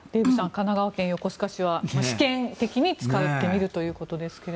神奈川県横須賀市は試験的に使ってみるということですが。